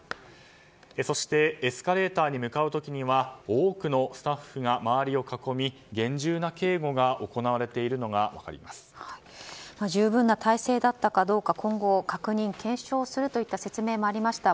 そしてエスカレーターに向かう時には多くのスタッフが周りを囲み厳重な警護が十分な体制だったかどうか今後、確認・検証するといった説明もありました。